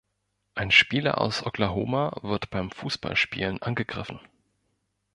Ein Spieler aus Oklahoma wird beim Fußballspielen angegriffen